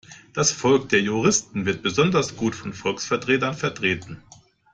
Das Volk der Juristen wird besonders gut von Volksvertretern vertreten.